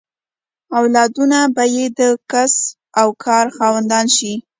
اولادونه به یې د کسب او کار خاوندان شي.